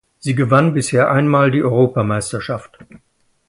Sie gewann bisher einmal die Europameisterschaft.